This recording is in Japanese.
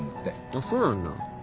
あっそうなんだ。